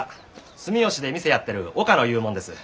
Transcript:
住吉で店やってる岡野いうもんです。